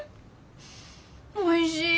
おいしい。